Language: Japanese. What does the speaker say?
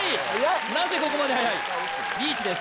なぜここまではやいリーチです